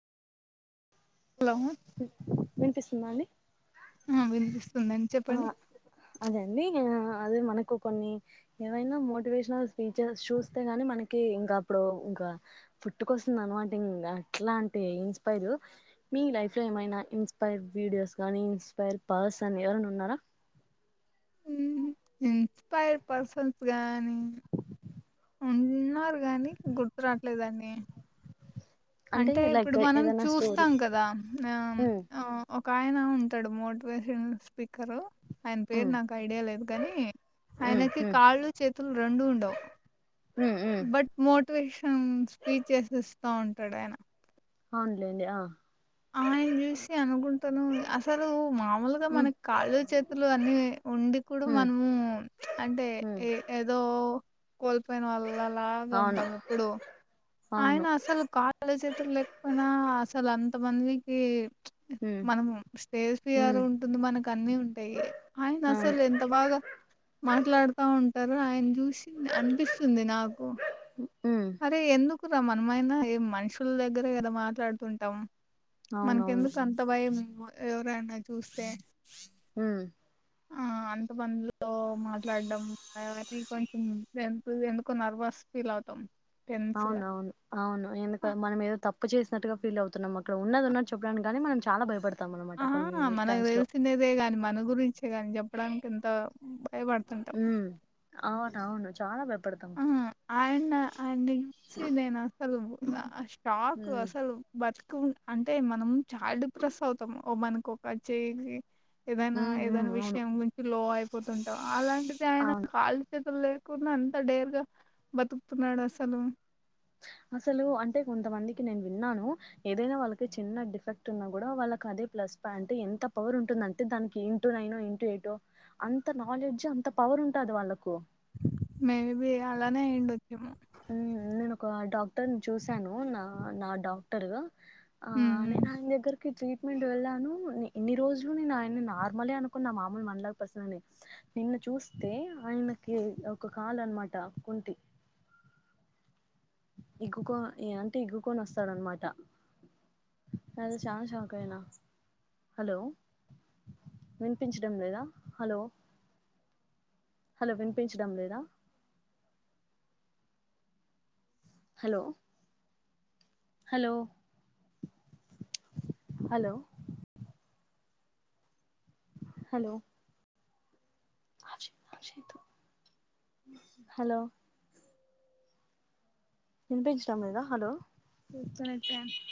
Hello విన్ విన్పిస్ మని ఉ వినిపిస్తుందండి చెప్పండి. అదే అండి అదే మనకు కొన్ని ఏవైనా మోటివేషనల్ స్పీచెస్ చూస్తే గాని మనకి ఇంకప్పుడు ఇంక పుట్టుకొస్తుంది అన్వాంటింగ్ అట్లాంటి ఇన్స్పైరు. మీ లైఫ్ లో ఏమైనా ఇన్స్పైర్ వీడియోస్ గానీ ఇన్స్పైర్ పార్సన్ ఎవరైనున్నారా. ఉమ్ ఇన్స్పైర్ పర్సన్స్ గాని ఉన్నార్ గాని గుర్తురాట్లేదన్ని. అంటే లైక్ ఇప్పుడు మనం ఏదైనా స్టోరీ చూస్తాం కదా అమ్ ఉమ్ ఆ ఒ. ఒకాయన ఉంటడు మోటివేషన్ స్పీకరు. ఆయన్ పేరు ఉమ్ నాకైడియా లేదు గాని ఉమ్ ఆయనకి ఉమ్ కాళ్ళు చేతులు రెండూ ఉండవ్. ఉమ్ ఉమ్ బట్ మోట్ ట్వేషన్ స్పీచెస్ ఇస్తా ఉంటాడాయన. ఔన్లేండి ఆ ఆయన్ జూసి అనుకుంటను అసలు మామూలుగ ఉమ్ మనకి కాళ్ళు చేతులు అన్ని ఉండి కూడా ఉమ్ మన్ము అంటే ఉమ్ ఏ ఏదో. కోల్పోయిన వాళ్ళలాగా అవును ఉంటము ఇప్పుడు. అవును ఆయన అసలు కాలేచేతులు లేకపోయినా అసలు అంత మందికి ఉమ్ మనం స్టేజ్ ఫియర్ ఉమ్ ఉంటుంది మనకు అన్నిీ ఉంటాయి ఆయన అవును అసలు ఎంత బాగా మాట్లాడుతా ఉం తరు ఆయన చూసి అనిపిస్తుంది నాకు ఉమ్ రమనమైన ఏ మనుషుల దగ్గర కదా మాట్లాడుతుంటాం అవునవును మనకెందుకు అంత భయం ఎవరైనా చూస్తే ఉం ఆ అంత మందిలో మాట్లాడడం అవీ కొంచం ఎ ఎందుకు నర్వస్ ఫీల్ అవుతాం టెన్స్ గా ఔనవును ఔను ఎందుక మనమేదో తప్పు జేసినట్టుగా ఫీలౌ. తున్నమక్కడ ఉన్నదున్నట్టు చెప్పడానిక్ గానీ మనం చాలా భయపడ్ ఆ మనక్ దెల్సిండేదే గాన్ మన గురించే గాన్ జెప్ప్. ప్డానికెంత ఉం అవును అవును చాలా ద ఆ అయ అయినించి అసలు స్టాక్ ఉమ్ అసలు బత్ అంటే మనం చాలా డిప్రెస్ అవుతాం మనకి ఒక చె ఏదైనా ఉమ్ ఉమ్, ఏదైనా అవును విషయం గురించి లో అయిపోతుంటావు అలాంటిది ఆయన అవును కాల్లు చేతులులే కుమాన్ డేర్గా బతుకుతున్నాడసలు అసలు అంటే కొంతమందికి నేను విన్నాను ఏదైనా వాళ్ళకి చిన్న డిఫెక్ట్ ఉన్నా కూడా వాళ్ళకి అదే ప్లస్ పాయింటట్ ఎంత పవర్ ఉంటుందంటే దానికి ఇంటూ నైన్ ఇంటూ ఎయిట్ అంత నాలెడ్జ్ అంత పవర్ ఉంటది వాళ్ళకు మేబి అలానే అయిండచ్చేమో నేను ఒక డాక్టర్ ని చూసాను నా నా డాక్టర్ ఆ హ్మ్. హ్మ్. నేనా ఆయాన దగ్గర ట్రీట్మెంట్ వెళ్ళాను ఎన్ని రోజులు నేను ఆయన నార్మలే అనుకున్న మామూలు మనలా పర్సన్ అని నిన్న చూస్తే ఆయనకి ఒక కాలు అనమాట కుంటి ఎగ్గుకో ఏ అంటే ఇగ్గుకొని వస్తాడున్నమాట అది చాలా షాక్ అయినా హలో వినిపించడం లేదా హలో హలో వినిపించడం లేదా hello hello hello hello hello వినిపించడం లేదా హలో